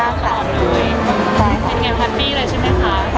ผมถามค่ะ